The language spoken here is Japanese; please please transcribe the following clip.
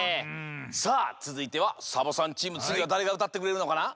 さあつづいてはサボさんチームつぎはだれがうたってくれるのかな？